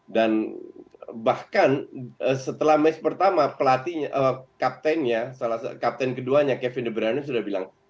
dan bahkan setelah match pertama pelatihnya kaptennya salah satu kapten keduanya kevin de bruyne sudah bilang